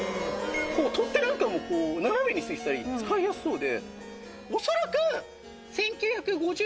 取っ手なんかも斜めに付いてたり使いやすそうで。